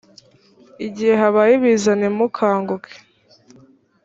gihe habaye ibiza nimukanguke